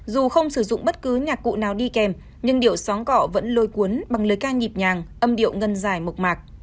dù không sử dụng bất cứ nhạc cụ nào đi kèm nhưng điệu xóm cọ vẫn lôi cuốn bằng lời ca nhịp nhàng âm điệu ngân dài mộc mạc